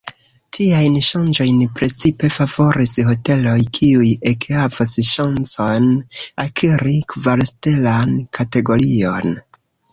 Tiajn ŝanĝojn precipe favoris hoteloj, kiuj ekhavos ŝancon akiri kvarstelan kategorion.